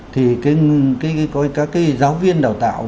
thì các cái giáo viên đào tạo